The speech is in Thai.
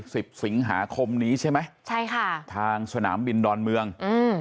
สิบสิงหาคมนี้ใช่ไหมใช่ค่ะทางสนามบินดอนเมืองอืม